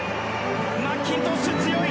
マッキントッシュ、強い！